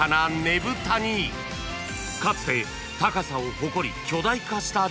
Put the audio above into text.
［かつて高さを誇り巨大化した時代があった］